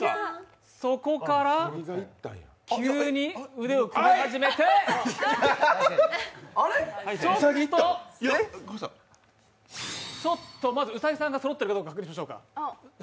そこから急に腕を組み始めてまず兎さんがそろっているかどうか確認しましょうか。